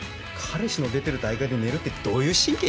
彼氏の出てる大会で寝るってどういう神経してんだ？